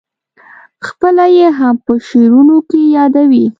خپله یې هم په شعرونو کې یادوې.